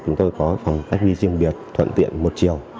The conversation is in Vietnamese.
chúng tôi có phòng cách ly riêng biệt thuận tiện một chiều